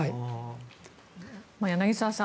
柳澤さん